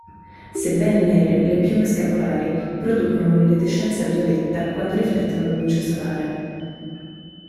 Sebbene nere le piume scapolari producono un'iridescenza violetta quando riflettono la luce solare.